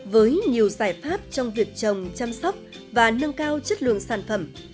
với nhiều giải pháp trong việc trồng chăm sóc và nâng cao chất lượng sản phẩm